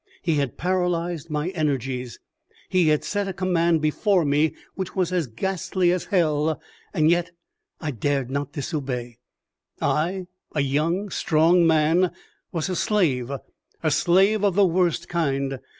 He had paralyzed my energies. He had set a command before me which was as ghastly as hell, and yet I dared not disobey. I, a young, strong man, was a slave a slave of the worst kind.